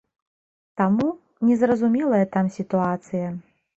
Таму, незразумелая там сітуацыя.